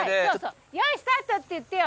「用意スタート」って言ってよ。